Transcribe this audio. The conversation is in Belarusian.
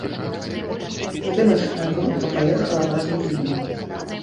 Здымачная група паехала разам з ім.